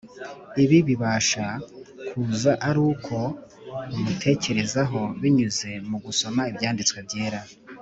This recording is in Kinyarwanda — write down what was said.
. Ibi bibasha kuza ari uko umutekerezaho, binyuze mu gusoma Ibyanditswe Byera,